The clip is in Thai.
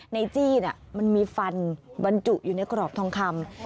จี้มันมีฟันบรรจุอยู่ในกรอบทองคำ